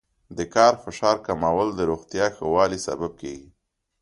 د کاري فشار کمول د روغتیا ښه والي سبب کېږي.